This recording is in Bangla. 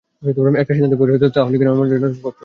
একটা সিদ্ধান্তে পৌছেছ, তাহলে কেন এমন আচরণ করছো?